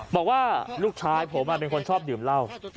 บอกว่าลูกชายผมเป็นคนชอบดื่มเหล้า